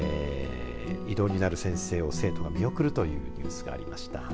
異動になる先生を生徒が見送るというニュースがありました。